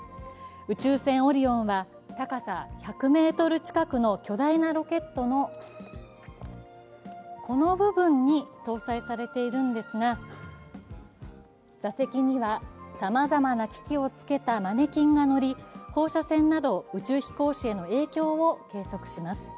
宇宙船「オリオン」は、高さ１００ｍ近くの巨大なロケットのこの部分に搭載されているんですが、座席にはさまざまな機器をつけたマネキンが乗り、放射線など宇宙飛行士への影響を計測します。